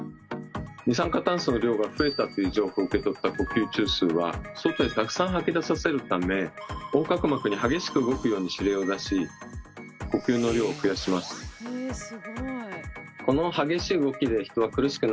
「二酸化炭素の量が増えた」という情報を受け取った呼吸中枢は外へたくさん吐き出させるため横隔膜に激しく動くように指令を出し呼吸の量を増やします。